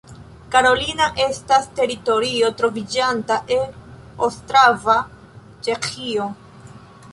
Karolina estas teritorio troviĝanta en Ostrava, Ĉeĥio.